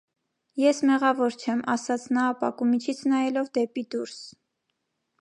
- Ես մեղավոր չեմ,- ասաց նա ապակու միջից նայելով դեպի դուրս: